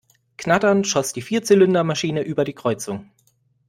Knatternd schoss die Vierzylinder-Maschine über die Kreuzung.